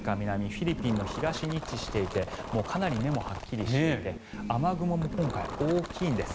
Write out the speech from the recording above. フィリピンの東に位置していてかなり目もはっきりしていて雨雲も今回、大きいんです。